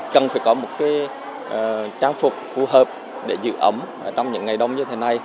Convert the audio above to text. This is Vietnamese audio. cần phải có một trang phục phù hợp để giữ ấm trong những ngày đông như thế này